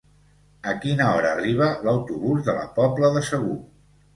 A quina hora arriba l'autobús de la Pobla de Segur?